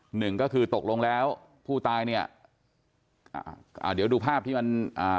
หนึ่งก็คือตกลงแล้วผู้ตายเนี่ยอ่าอ่าเดี๋ยวดูภาพที่มันอ่า